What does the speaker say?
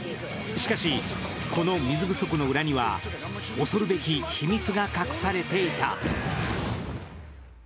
しかし、この水不足の裏には恐るべき秘密が隠されていた。